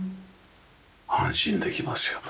安心できますよね。